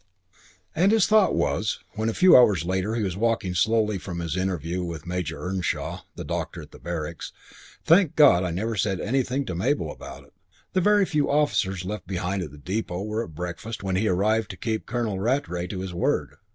And his thought was, when a few hours later he was walking slowly away from his interview with Major Earnshaw, the doctor at the barracks, "Thank God, I never said anything to Mabel about it." The very few officers left behind at the depot were at breakfast when he arrived to keep Colonel Rattray to his word.